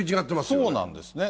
そうなんですね。